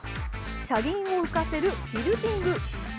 車輪を浮かせる、ティルティング。